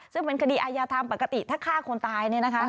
ซึ่งเป็นคดีอายาธรรมปกติถ้าฆ่าคนตายเนี่ยนะคะ